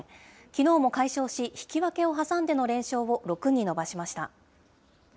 きのうも快勝し、引き分けを挟んでの連勝を６に伸ばしました。